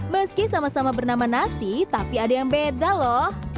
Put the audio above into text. meski sama sama bernama nasi tapi ada yang beda loh